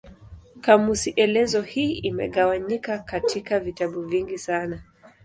Kamusi elezo hii imegawanyika katika vitabu vingi sana.